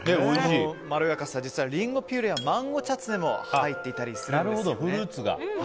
そのまろやかさ、実はリンゴピューレやマンゴーチャツネも入っていたりするんです。